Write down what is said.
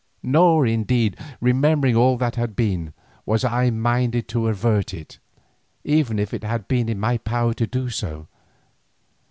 Nor indeed, remembering all that had been, was I minded to avert it, even if it had been in my power to do so.